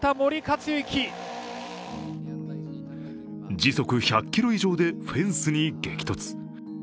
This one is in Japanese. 時速１００キロ以上でフェンスに激突。